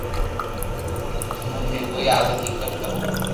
ھمج مي ڪوئي آوي ڪيڪر ڪرو